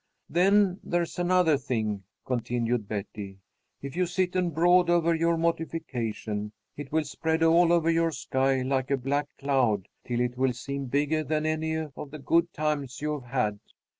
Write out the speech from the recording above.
"Then, there's another thing," continued Betty. "If you sit and brood over your mortification, it will spread all over your sky like a black cloud, till it will seem bigger than any of the good times you have had.